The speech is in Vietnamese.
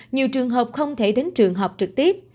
nhiều trường hợp không thể đến trường học trực tiếp